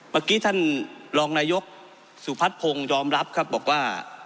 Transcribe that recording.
เมื่อกี้ท่านรองนายกสุพัฒนพงศ์ยอมรับครับบอกว่า